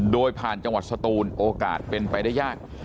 โดยผ่านจังหวัดสตูนโอกาสเป็นไปได้ยาก